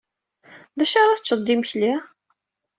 D acu ara teččeḍ d imekli?